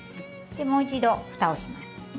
でもう一度ふたをします。